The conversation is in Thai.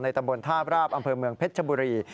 ตำบลท่าบราบอำเภอเมืองเพชรชบุรี